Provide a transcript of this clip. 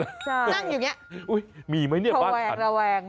นั่งอยู่อย่างนี้มีมั้ยเนี่ยบ้าง